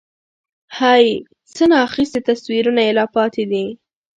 هَی؛ څه نا اخیستي تصویرونه یې لا پاتې دي